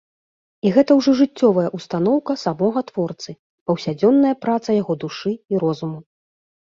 І гэта ўжо жыццёвая ўстаноўка самога творцы, паўсядзённая праца яго душы і розуму.